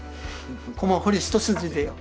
駒彫り一筋でよ。